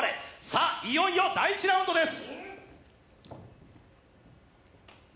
さあ、いよいよ第１ラウンドです。